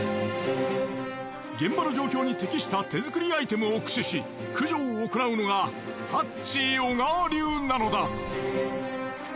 現場の状況に適した手作りアイテムを駆使し駆除を行うのがハッチー小川流なのだ。